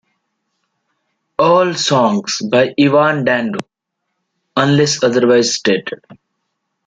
All songs by Evan Dando unless otherwise stated.